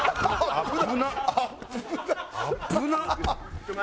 危なっ！